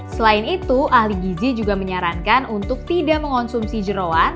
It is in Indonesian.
selain itu ahli gizi juga menyarankan untuk tidak mengonsumsi jerawan